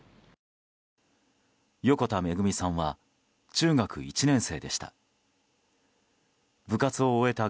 横田めぐみさんは中学１年生でした。